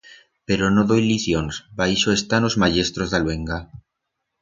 Pero no doi licions, pa ixo están os mayestros d'a luenga.